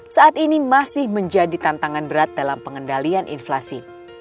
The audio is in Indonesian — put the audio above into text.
saat ini masih menjadi tantangan berat dalam pengendalian inflasi